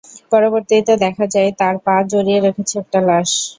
পরবর্তীতে দেখা যায়, তার পা জড়িয়ে রেখেছে একটা লাশ।